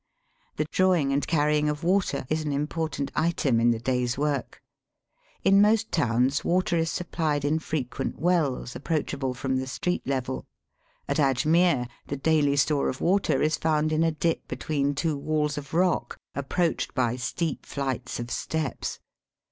The drawing and carrying of water is an important item in the day's work. In most towns water is supplied in frequent wells approachable from the street level. At Ajmere the daily store of water is found in a dip between two walls of rock approached by steep flights of steps.